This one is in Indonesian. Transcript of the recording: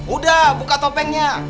udah buka topengnya